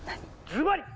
ズバリ！